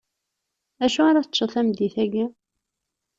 Dacu ara teččeḍ tameddit-aki?